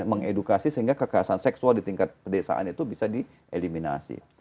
mengedukasi sehingga kekerasan seksual di tingkat pedesaan itu bisa dieliminasi